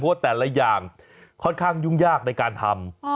ว่าแต่ละอย่างค่อนข้างยุ่งยากในการทำ